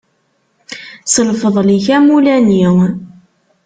S lfeḍl-ik a mulani.